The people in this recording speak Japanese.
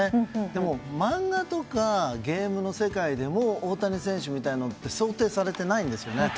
でも、漫画とかゲームの世界でも大谷選手みたいなのって想定されていないんですよね。